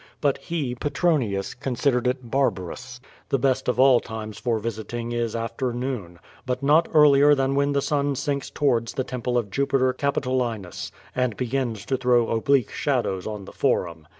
But he, Petronius, considered it barbarous. The best of all times for visiting is after noon, but not earlier than when the sun sinks towards the temple of Jupiter Capitolinus, and begins to throw oblique shadows on the Forum.